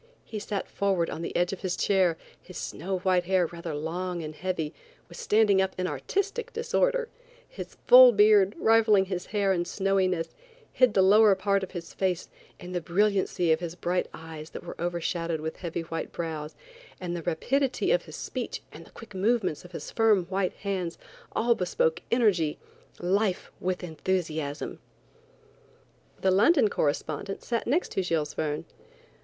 He sat forward on the edge of his chair, his snow white hair rather long and heavy, was standing up in artistic disorder; his full beard, rivaling his hair in snowiness, hid the lower part of his face and the brilliancy of his bright eyes that were overshadowed with heavy white brows, and the rapidity of his speech and the quick movements of his firm white hands all bespoke energy–life–with enthusiasm. The London correspondent sat next to Jules Verne.